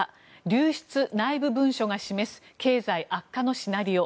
流出内部文書が示す経済悪化のシナリオ。